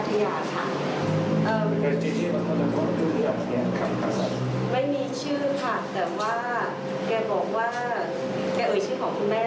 แต่ตามที่พ่อพูดนะคะก็คือปัญหาคืนกับคุณแม่